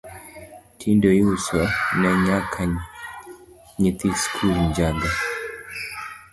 Tinde iusone nyaka nyithii sikul njaga